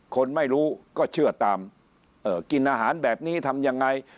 คนไม่รู้ก็เชื่อตามกินอาหารแบบนี้ทำยังไง